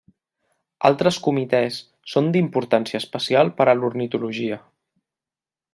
Altres comitès són d'importància especial per a l'ornitologia.